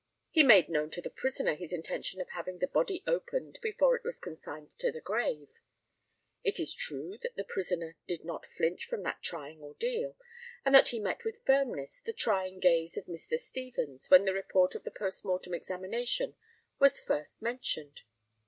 He made known to the prisoner his intention of having the body opened before it was consigned to the grave. It is true that the prisoner did not flinch from that trying ordeal, and that he met with firmness the trying gaze of Mr. Stevens, when the report of the post mortem examination was first mentioned.